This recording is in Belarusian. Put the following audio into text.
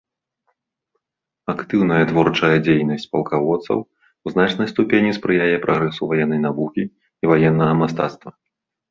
Актыўная творчая дзейнасць палкаводцаў у значнай ступені спрыяе прагрэсу ваеннай навукі і ваеннага мастацтва.